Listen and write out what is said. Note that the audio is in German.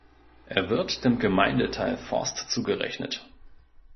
Er wird dem Gemeindeteil Forst zugerechnet.